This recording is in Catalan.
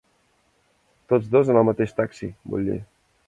Tots dos en el mateix taxi, vull dir.